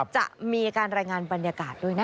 จะมีการรายงานบรรยากาศด้วยนะคะ